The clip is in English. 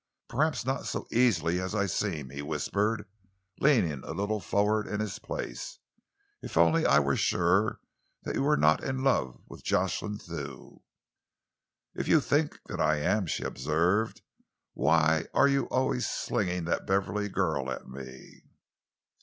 "Perhaps not so easily as I seem," he whispered, leaning a little forward in his place. "If only I were sure that you were not in love with Jocelyn Thew!" "If you think that I am," she observed, "why are you always slinging that Beverley girl at me?"